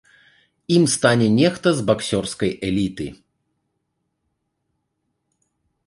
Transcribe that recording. Ім стане нехта з баксёрскай эліты.